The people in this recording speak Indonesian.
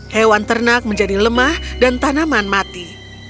hewan ternak menjadi lemah dan tanaman mati